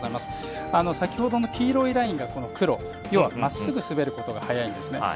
先ほどの黄色いラインがこの黒まっすぐ滑ることが速いんですね。